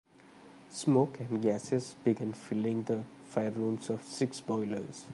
Smoke and gases began filling the firerooms of six boilers.